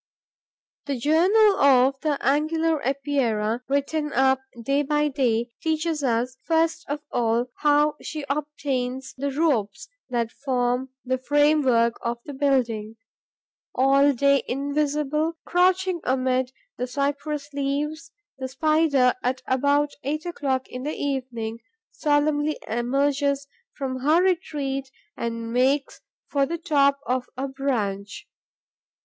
The journal of the Angular Epeira, written up day by day, teaches us, first of all, how she obtains the ropes that form the framework of the building. All day invisible, crouching amid the cypress leaves, the Spider, at about eight o'clock in the evening, solemnly emerges from her retreat and makes for the top of a branch.